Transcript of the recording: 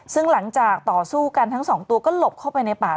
ซึ่งหลังจากต่อสู้กันทั้งสองตัวก็หลบเข้าไปในป่า